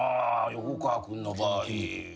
横川君の場合。